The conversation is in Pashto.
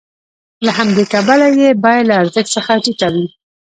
له همدې کبله یې بیه له ارزښت څخه ټیټه وي